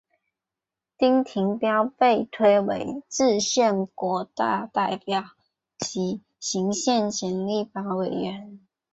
丁廷标被推为制宪国大代表及行宪前立法委员。